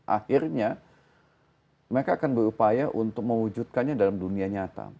akhirnya mereka akan berupaya untuk mewujudkannya dalam dunia nyata